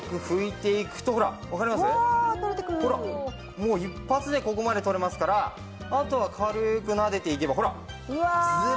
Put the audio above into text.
もう一発でここまで取れますからあとは軽くなでていけばほらズバッと。